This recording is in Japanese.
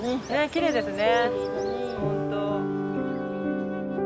きれいですね。